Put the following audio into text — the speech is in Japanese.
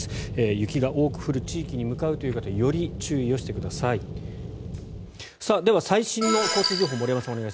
雪が多く降る地域に向かうという方より注意をしてください。